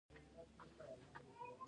آیا د کعبې مینځلو لپاره نه کارول کیږي؟